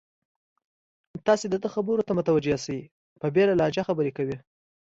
تاسې د ده خبرو ته متوجه شئ، په بېله لهجه خبرې کوي.